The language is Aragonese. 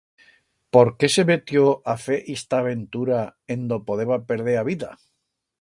Por qué se metió a fer ista aventura en do podeba perder a vida?